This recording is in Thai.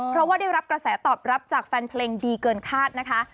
เพราะว่าได้รับกระแสตอบรับจากแฟนเพลงดีเกินคาดนะคะ